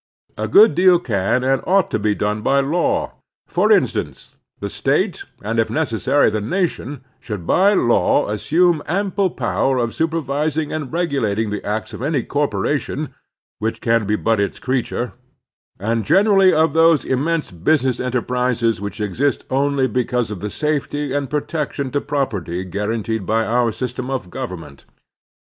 A good deal can and ought to be done by law. For instance, the State and, if necessary, the nation should by law assume ample power of supervising and regulating the acts of any corporation (which can be but its creattu e), and generally of those immense business enterprises which exist only because of the safety and protection to property guaranteed by our system of government.